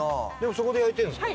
そこで焼いてるんでるか？